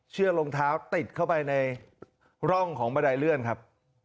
รองเท้าติดเข้าไปในร่องของบันไดเลื่อนครับ